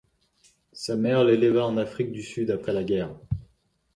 Sa mère l'éleva en Afrique du Sud après la guerre.